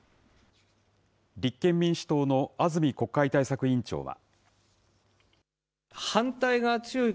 立憲民主党の安住国会対策委員長は。